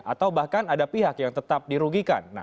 atau bahkan ada pihak yang tetap dirugikan